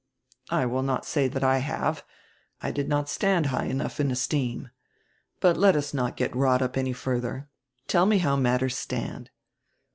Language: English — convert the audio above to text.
"I will not say that I have. I did not stand high enough in esteem. But let us not get wrought up any further. Tell me how matters stand."